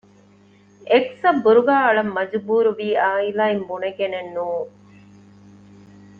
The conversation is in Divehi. އެކްސް އަށް ބުރުގާ އަޅަން މަޖުބޫރުވީ އާއިލާއިން ބުނެގެނެއް ނޫން